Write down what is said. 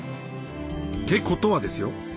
ってことはですよ